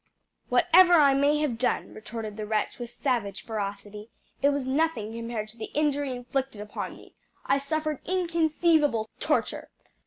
"Whatever I may have done," retorted the wretch with savage ferocity, "it was nothing compared to the injury inflicted upon me. I suffered inconceivable torture.